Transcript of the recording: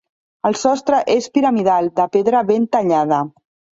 El sostre és piramidal de pedra ben tallada.